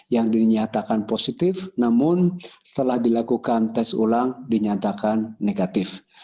yang dinyatakan positif namun setelah dilakukan tes ulang dinyatakan negatif